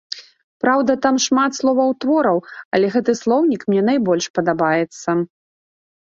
Праўда, там шмат словатвораў, але гэты слоўнік мне найбольш падабаецца.